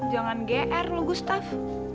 jangan gr lu gustaf